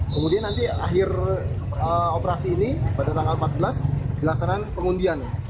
kemudian nanti akhir operasi ini pada tanggal empat belas dilaksanakan pengundian